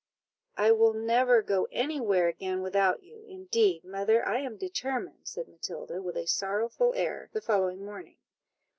"I will never go any where again without you, indeed, mother, I am determined," said Matilda, with a sorrowful air, the following morning.